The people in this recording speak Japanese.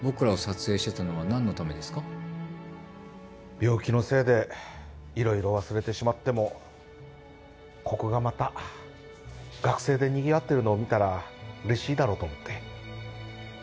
病気のせいで色々忘れてしまってもここがまた学生でにぎわってるのを見たらうれしいだろうと思って。